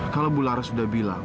kalau bu lara sudah bilang